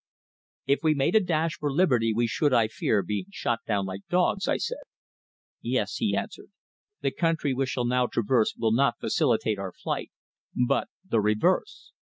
"If we made a dash for liberty we should, I fear, be shot down like dogs," I said. "Yes," he answered. "The country we shall now traverse will not facilitate our flight, but the reverse.